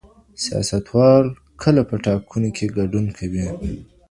سیاستوال کله په ټاکنو کي ګډون کوي؟